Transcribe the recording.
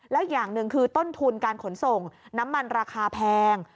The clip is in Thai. แล้วอย่างหนึ่งคือต้นทุนการขนส่งน้ำมันราคาแพง